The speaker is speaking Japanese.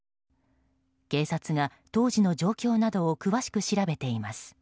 警察が当時の状況などを詳しく調べています。